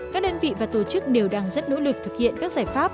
các đơn vị và tổ chức đều đang rất nỗ lực thực hiện các giải pháp